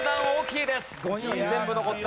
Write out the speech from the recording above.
５人全部残った。